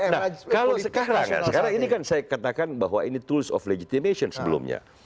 nah kalau sekarang ini kan saya katakan bahwa ini tools of legitimation sebelumnya